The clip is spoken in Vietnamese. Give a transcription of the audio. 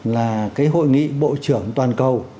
là cái hội nghị bộ trưởng toàn cầu